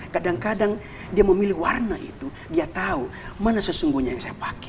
kadang kadang dia memilih warna itu dia tahu mana sesungguhnya yang saya pakai